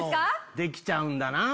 できちゃうんだなぁ。